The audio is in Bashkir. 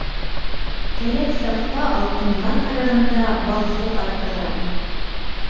Кәрәк саҡта алтынға ҡарағанда балсыҡ артығыраҡ.